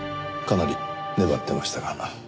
かなり粘ってましたが。